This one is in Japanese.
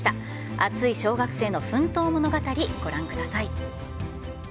熱い小学生の奮闘物語ご覧ください。